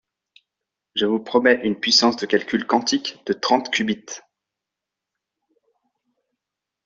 Je vous promets une puissance de calcul quantique de trente qubits.